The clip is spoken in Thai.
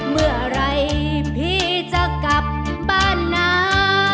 เมื่อไหร่พี่จะกลับบ้านนะ